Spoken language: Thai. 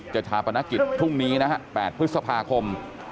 จะถาปนกิจพรุ่งนี้นะครับ๘พฤษภาคม